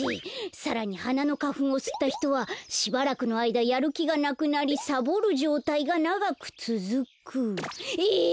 さらにはなのかふんをすったひとはしばらくのあいだやるきがなくなりサボるじょうたいがながくつづく。え！？